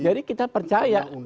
jadi kita percaya